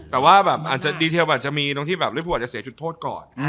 แต่ว่าลืมหูจะเสียจุดโทษก่อน